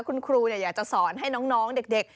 คุณครูอยากจะสอนให้น้องเด็ก